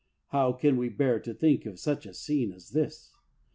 How can we bear to think of such a scene as this?